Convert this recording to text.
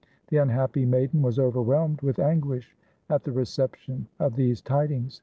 The unhappy maiden was overwhelmed with anguish at the reception of these tidings.